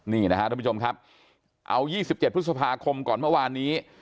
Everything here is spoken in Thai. นี่นะครับท่านผู้ชมครับเอา๒๗พฤษภาคมก่อนเมื่อวานนี้